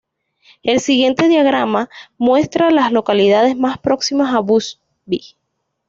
El siguiente diagrama muestra las localidades más próximas a Busby.